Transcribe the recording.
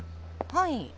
はい。